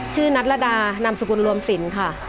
นัทรดานามสกุลรวมสินค่ะ